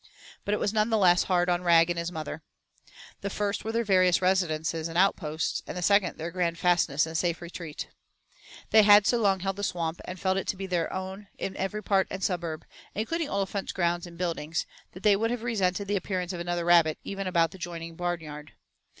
But it was none the less hard on Rag and his mother. The first were their various residences and outposts, and the second their grand fastness and safe retreat. They had so long held the Swamp and felt it to be their very own in every part and suburb including Olifant's grounds and buildings that they would have resented the appearance of another rabbit even about the adjoining barnyard.